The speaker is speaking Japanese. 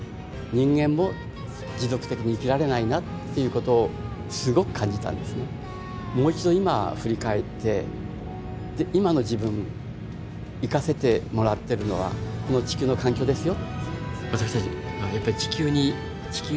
私が宇宙で感じたのはもう一度今振り返って今の自分生かせてもらってるのはこの地球の環境ですよ。